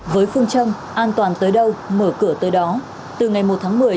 với phương châm an toàn tới đâu mở cửa tới đó từ ngày một tháng một mươi